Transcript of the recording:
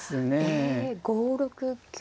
ええ５六香。